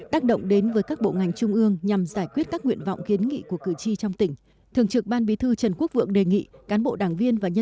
tác động đến với các bộ ngành trung ương nhằm giải quyết các nguyện vọng kiến nghị của cử tri trong tỉnh